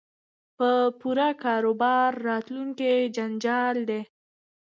په پور کاروبار راتلونکی جنجال دی